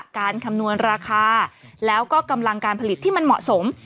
คำนวณราคาแล้วก็กำลังการผลิตที่มันเหมาะสม